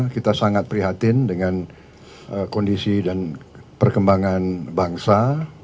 kita sangat prihatin dengan kondisi dan perkembangan bangsa